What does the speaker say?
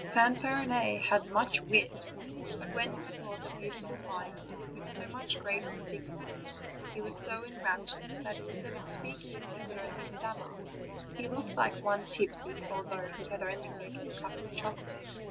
Fanfarinet had much wit; but when he saw the beau tiful Maia, with so much grace and dignity, he was so enraptured that, instead of speaking, he could only stam mer; he looked like one tipsy, although he had only taken a cup of chocolate.